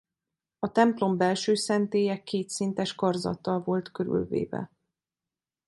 A templom belső szentélye kétszintes karzattal volt körülvéve.